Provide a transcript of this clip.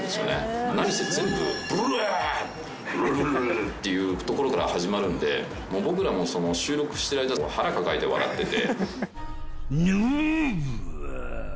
何せ全部「ぶるぁ！」「うららら」っていうところから始まるんで僕らも収録してる間腹抱えて笑ってて。